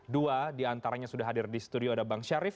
dua diantaranya sudah hadir di studio ada bang syarif